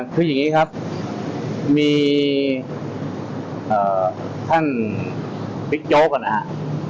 คืออย่างนี้ครับมีท่านบิ๊กโจ๊กนะครับ